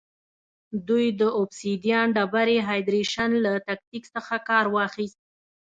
دوی د اوبسیدیان ډبرې هایدرېشن له تکتیک څخه کار واخیست